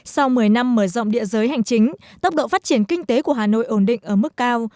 sau một mươi năm mở rộng địa giới hành chính tốc độ phát triển kinh tế của hà nội ổn định ở mức cao